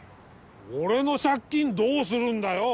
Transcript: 俺の借金どうするんだよ！